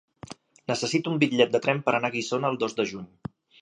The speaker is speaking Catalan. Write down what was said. Necessito un bitllet de tren per anar a Guissona el dos de juny.